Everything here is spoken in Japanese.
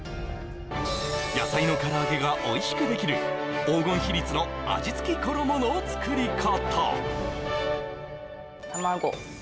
野菜の唐揚げがおいしくできる黄金比率の味付き衣の作り方